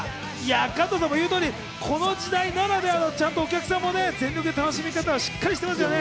加藤さんも言う通り、この時代ならではの、お客さんもちゃんと全力で楽しみ方をしっかりしてますね。